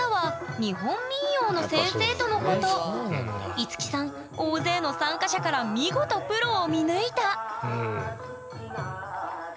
樹さん大勢の参加者から見事プロを見抜いた！